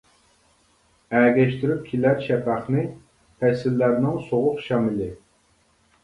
ئەگەشتۈرۈپ كېلەر شەپەقنى، پەسىللەرنىڭ سوغۇق شامىلى.